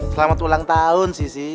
selamat ulang tahun sisi